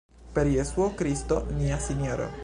Per Jesuo Kristo nia Sinjoro.